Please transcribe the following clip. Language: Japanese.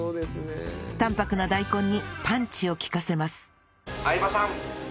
淡泊な大根にパンチを利かせます